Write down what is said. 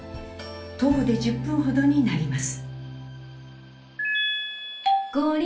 徒歩で１０分ほどになります。